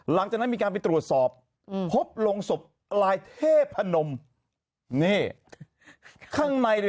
หลังจากนั้นมีการไปตรวจสอบพบลงศพลายเทพนมนี่ข้างใน